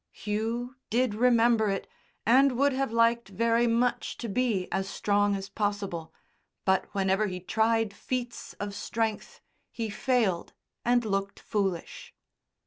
Hugh, did remember it and would have liked very much to be as strong as possible, but whenever he tried feats of strength he failed and looked foolish.